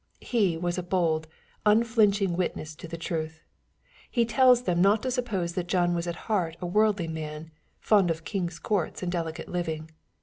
He was a bold, unflinching witness to the truth. — He tells them not to suppose that John was at heart a worldly man, fond of king's courts, and delicate living.